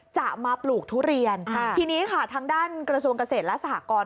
จะมาปลูกทุเรียนทีนี้ค่ะทางด้านกระทรวงเกษตรและสหกร